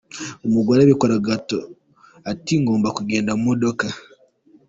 Umugore abikora ku gahato ati ngomba kugenda mu modoka.